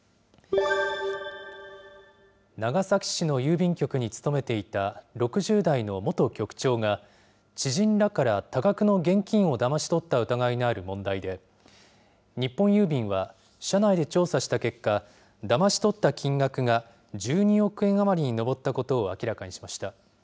長崎市の郵便局に勤めていた６０代の元局長が、知人らから多額の現金をだまし取った疑いのある問題で、日本郵便は、社内で調査した結果、だまし取った金額が１２億円余りに上ったことを明らかにしました。